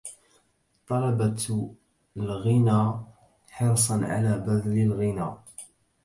طلبت الغنى حرصا على بذلي الغنى